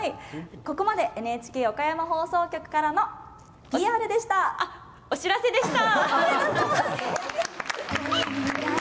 ここまでＮＨＫ岡山放送局からのお知らせでした。